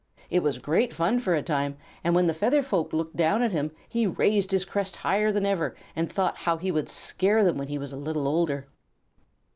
It was great fun for a time, and when the feathered folk looked down at him he raised his crest higher than ever and thought how he would scare them when he was a little older.